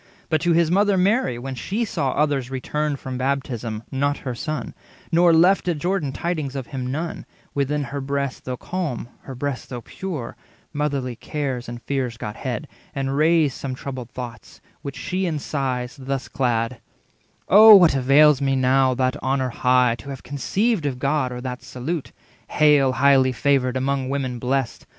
But to his mother Mary, when she saw 60 Others returned from baptism, not her Son, Nor left at Jordan tidings of him none, Within her breast though calm, her breast though pure, Motherly cares and fears got head, and raised Some troubled thoughts, which she in sighs thus clad:— "Oh, what avails me now that honour high, To have conceived of God, or that salute, 'Hail, highly favoured, among women blest!